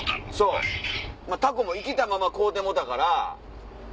タコも生きたまま買うてもうた。